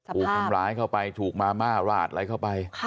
ถูกทำร้ายเข้าไปถูกมาม่าราดอะไรเข้าไป